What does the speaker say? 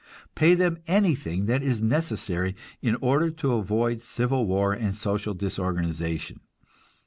Pay them anything that is necessary, in order to avoid civil war and social disorganization!